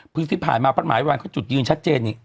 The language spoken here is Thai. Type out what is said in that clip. เพิ่งที่ผ่านมาพระมหาภัยวันมันก็จุดยืนชัดเจน